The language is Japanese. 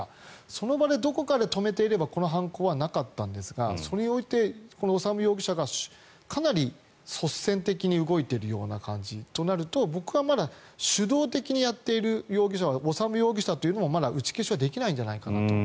その場で、どこかで止めていればこの犯行はなかったんですがそれにおいて修容疑者がかなり率先的に動いているような感じとなると、僕はまだ主導的にやっている容疑者は修容疑者だというのもまだ打ち消しはできないんじゃないかなと。